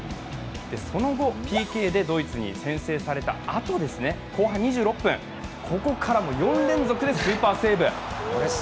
その後、ＰＫでドイツの先制されたあと、後半２６分、ここから４連続でスーパーセーブ。